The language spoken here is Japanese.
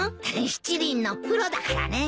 七輪のプロだからね。